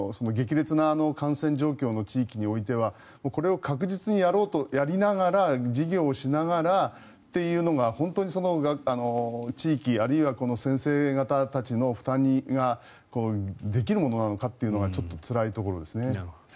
激烈な感染状況の地域においてはこれを確実にやりながら授業をしながらというのが本当に地域あるいは先生方たちの負担ができるものなのかというのがちょっとつらいところですね。